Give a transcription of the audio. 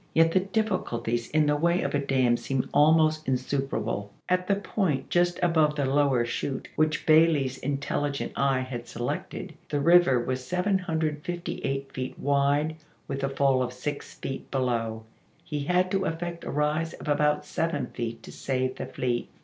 Yet the difficulties in the way of a dam seemed almost insuperable. At the point just above the lower chute, which Bailey's intelh gent eye had selected, the river was 758 feet wide with a fall of six feet below. He had to effect a rise of about seven feet to save the fleet.